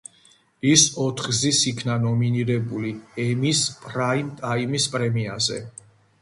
ის ოთხგზის იქნა ნომინირებული ემის პრაიმ-ტაიმის პრემიაზე.